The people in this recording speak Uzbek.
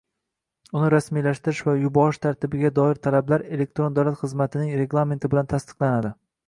uni rasmiylashtirish va yuborish tartibiga doir talablar elektron davlat xizmatining reglamenti bilan tasdiqlanadi.